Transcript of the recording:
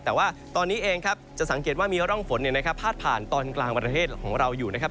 แต่ว่าตอนนี้เองครับจะสังเกตว่ามีร่องฝนพาดผ่านตอนกลางประเทศของเราอยู่นะครับ